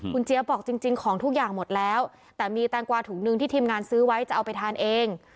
คุณเจี๊ยบบอกจริงของทุกอย่างหมดแล้วแต่มีแตงกวาถุงหนึ่งที่ทีมงานซื้อไว้จะเอาไปทานเอง